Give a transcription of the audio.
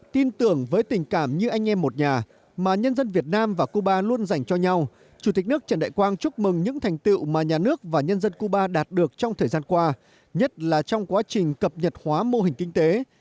tin tưởng với tình cảm như anh em một nhà mà nhân dân việt nam và cuba luôn dành cho nhau chủ tịch nước trần đại quang chúc mừng những thành tiệu mà nhà nước và nhân dân cuba đạt được trong thời gian qua nhất là trong quá trình cập nhật hóa mô hình kinh tế